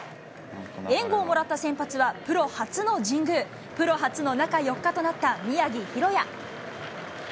援護をもらった先発は、プロ初の神宮、プロ初の中４日となった宮城大弥。